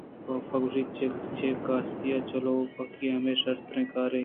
کاف ءَ گوٛشت چہ قاصدی چلوپگیءَ ہمے شرتریں کارے